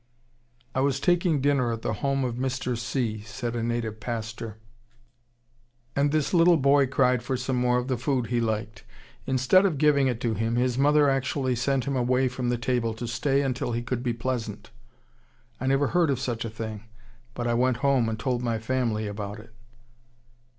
"I was taking dinner at the home of Mr. C.," said a native pastor, "and his little boy cried for some more of the food he liked. Instead of giving it to him, his mother actually sent him away from the table to stay until he could be pleasant! I never heard of such a thing, but I went home and told my family about it."